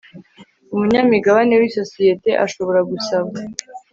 Umunyamigabane w isosiyete ashobora gusaba